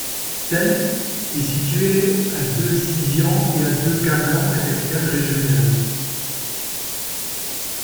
Ltsen est située à de Sisian et à de Kapan, la capitale régionale.